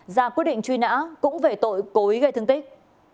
ra quyết định truy nã cũng về tội cố ý gây thương tích